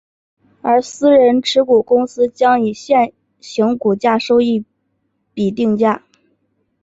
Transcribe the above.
而私人持股公司将以现行股价收益比定价。